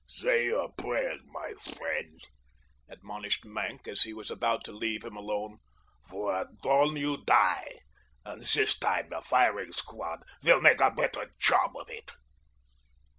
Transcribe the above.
"Say your prayers, my friend," admonished Maenck, as he was about to leave him alone, "for at dawn you die—and this time the firing squad will make a better job of it."